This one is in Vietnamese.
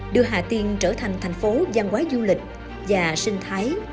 đưa hà tiên trở thành thành phố giang quá du lịch và sinh thái